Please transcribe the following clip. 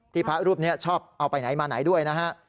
พระรูปนี้ชอบเอาไปไหนมาไหนด้วยนะฮะ